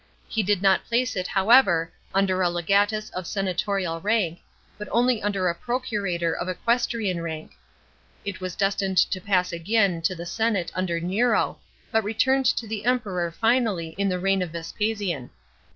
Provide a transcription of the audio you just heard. He did not place it, however, under a legatus of senatorial rank, but only under & procurator of equestrian rank. It was destined to pass again to the senate under Nero, but returned to the Emperor finally in the reign of Vespasian.